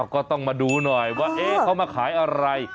ก็ต้องมาดูหน่อยว่าเขามาขายอะไร